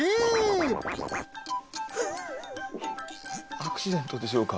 アクシデントでしょうか？